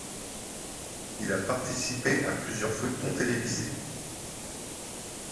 Il a participé à plusieurs feuilletons télévisés.